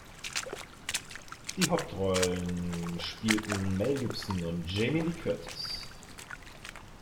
Die Hauptrollen spielten Mel Gibson und Jamie Lee Curtis.